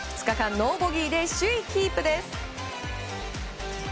２日間ノーボギーで首位キープです。